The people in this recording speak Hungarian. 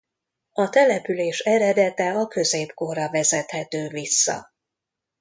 A település eredete a középkorra vezethető vissza.